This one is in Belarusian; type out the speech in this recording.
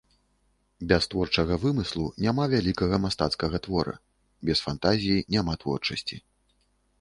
Без творчага вымыслу няма вялікага мастацкага твора, без фантазіі няма творчасці.